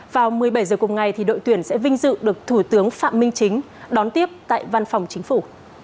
vào một mươi bảy h cùng ngày đội tuyển sẽ vinh dự được thủ tướng phạm minh chính đón tiếp tại văn phòng chính phủ